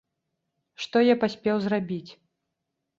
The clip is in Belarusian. Што я паспеў зрабіць?